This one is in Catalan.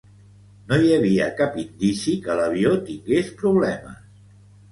No hi havia cap indici que l'avió tingués problemes.